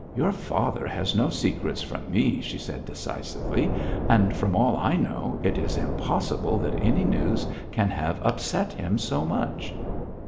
'Your father has no secrets from me,' she said decisively, 'and, from all I know, it is impossible that any news can have upset him so much.'